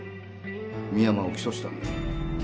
深山を起訴したんだ